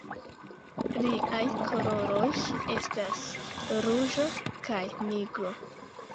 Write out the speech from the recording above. Liaj koloroj estas ruĝo kaj nigro.